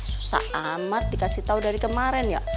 susah amat dikasih tahu dari kemarin ya